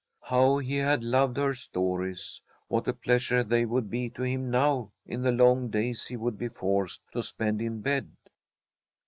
How he had loved her stories! What a pleasure they would be to him now in the long days he would be forced to spend in bed.